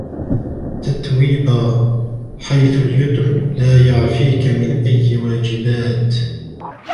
تتويبا: حيث اليُتْمُ لا يعفيك من أي واجبات.